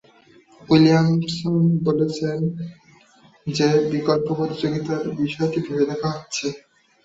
Williams বলেছিলেন যে, বিকল্প প্রতিযোগিতার বিষয়টি ভেবে দেখা হচ্ছে।